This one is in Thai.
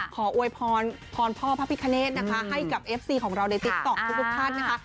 ขออวยพอนพ่อพาพิคะเนสให้กับเอฟซีของเราในติ๊กต๊อกทุกครั้งนะคะ